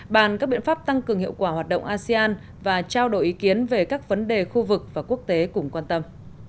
bàn các biện pháp tăng cường hiệu quả hoạt động asean và trao đổi ý kiến về các vấn đề khu vực và quốc tế cùng quan tâm